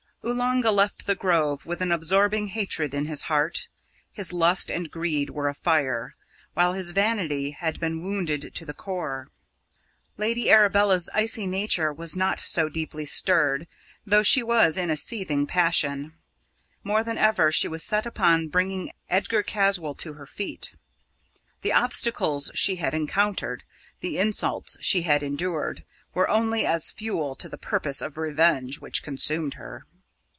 Oolanga left the Grove with an absorbing hatred in his heart. His lust and greed were afire, while his vanity had been wounded to the core. Lady Arabella's icy nature was not so deeply stirred, though she was in a seething passion. More than ever she was set upon bringing Edgar Caswall to her feet. The obstacles she had encountered, the insults she had endured, were only as fuel to the purpose of revenge which consumed her.